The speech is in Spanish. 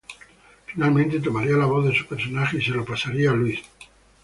Finalmente tomaría la voz de su personaje y se lo pasaría a Lois.